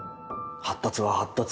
発達は発達。